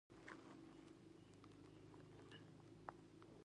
مازیګر چې ملا ساراګشت ته روان وو ناڅاپه د مطلوبې ښځې خاوند راغی.